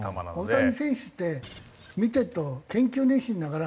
大谷選手って見てると研究熱心だから。